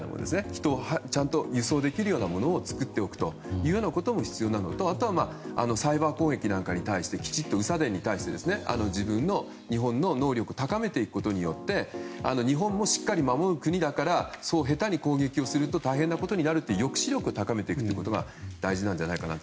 人をちゃんと輸送できるようなものを作っていくことも必要なのと、あとはサイバー攻撃なんかに対してきちんと日本の能力を高めていくことによって日本もしっかり守る国だから下手に攻撃をすると大変なことになると抑止力を高めていくことが大事なんじゃないかと。